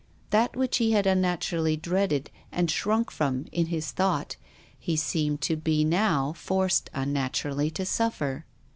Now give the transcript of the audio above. That which he had unnaturally dreaded and shrunk from in his thought he seemed to be now forced unnaturally to sufTer.